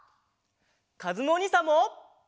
かずむおにいさんも。